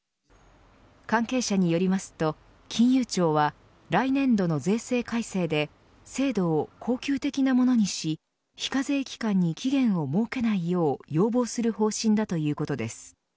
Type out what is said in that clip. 関係者によりますと金融庁は、来年度の税制改正で制度を恒久的なものにし非課税期間に期限を設けないよう要望する方針だということです。